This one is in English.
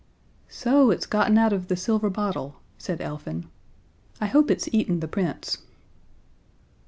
"So it's gotten out of the silver bottle," said Elfin. "I hope it's eaten the Prince."